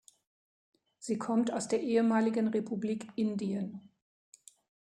Sie kommt aus der ehemaligen Republik Indien.